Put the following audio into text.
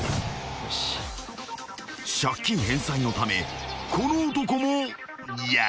［借金返済のためこの男もやる気だ］